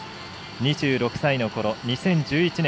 ２６歳のころ、２０１１年